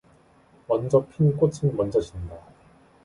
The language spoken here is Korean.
먼저 핀 꽃은 먼저 진다.